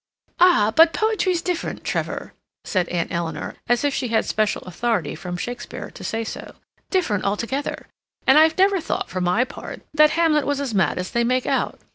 "Ah, but poetry's different, Trevor," said Aunt Eleanor, as if she had special authority from Shakespeare to say so. "Different altogether. And I've never thought, for my part, that Hamlet was as mad as they make out.